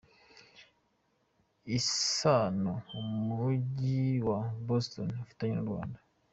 Isano Umujyi wa Bositoni ufitanye n’u Rwanda